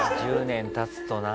１０年経つとな。